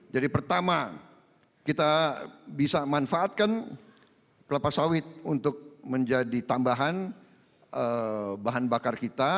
jadi pertama kita bisa manfaatkan kelapa sawit untuk menjadi tambahan bahan bakar kita